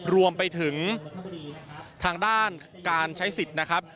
รวมไปถึงทางด้านการใช้สิทธิ์นะครับ